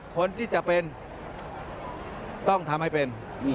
คนที่จะเป็นต้องทำให้เป็น